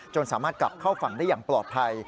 สามารถกลับเข้าฝั่งได้อย่างปลอดภัย